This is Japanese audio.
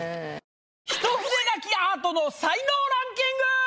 一筆書きアートの才能ランキング！